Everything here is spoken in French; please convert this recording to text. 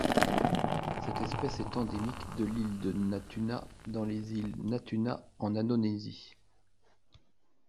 Cette espèce est endémique de l'île de Natuna dans les îles Natuna en Indonésie.